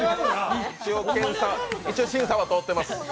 一応、審査は通ってます。